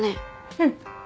うん。